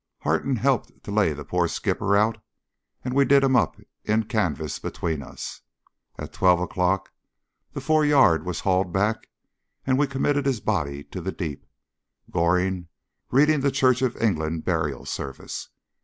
Harton helped to lay the poor skipper out, and we did him up in canvas between us. At twelve o'clock the foreyard was hauled aback, and we committed his body to the deep, Goring reading the Church of England burial service.